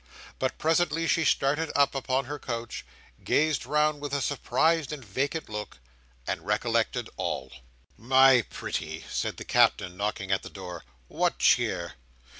But presently she started up upon her couch, gazed round with a surprised and vacant look, and recollected all. "My pretty," said the Captain, knocking at the door, "what cheer?"